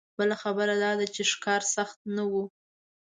بله خبره دا ده چې ښکار سخت نه و.